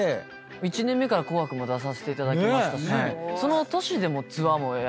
１年目から『紅白』も出させていただきましたしその年でもツアーもやらせてもらって。